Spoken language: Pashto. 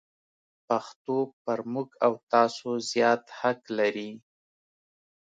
پښتو پر موږ او تاسو زیات حق لري.